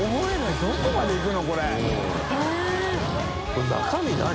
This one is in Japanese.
どこまでいくの？